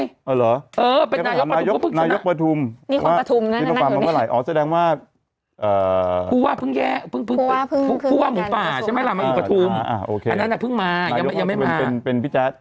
ยังไม่มาวิ่งมาอย่างผู้ว่าอันนี้เป็นบิ๊กแจส